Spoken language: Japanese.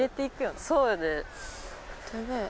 そうよね。